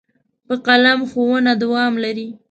په قلم ښوونه دوام لري.